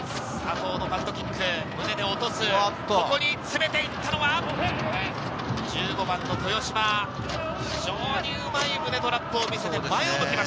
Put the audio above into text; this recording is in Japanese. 佐藤のパントキック、胸で落とす、ここで詰めていったのは１５番の豊嶋、非常にうまい胸トラップを見せています。